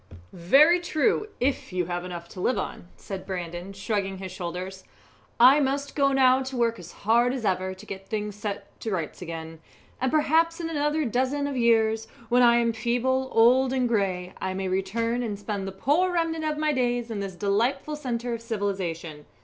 "Very true, if you have enough to live on," said Brandon, shrugging his shoulders. "I must go now to work as hard as ever to get things set to rights again, and perhaps in another dozen of years, when I am feeble, old, and grey, I may return and spend the poor remnant of my days in this delightful centre of civilization.